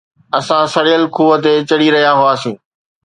اسان سڙيل کوهه تي چڙهي رهيا هئاسين